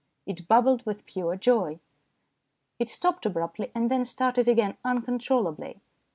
It bubbled with pure joy. It stopped abruptly and then started again uncontrollably.